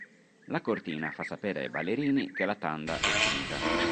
La cortina fa sapere ai ballerini che la tanda è finita.